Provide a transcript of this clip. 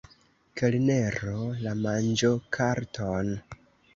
Kelnero, la manĝokarton!